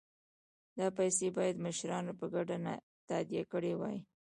دا پیسې باید مشرانو په ګډه تادیه کړي وای.